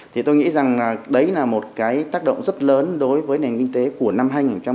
thì tôi nghĩ rằng đấy là một cái tác động rất lớn đối với nền kinh tế của năm hai nghìn một mươi chín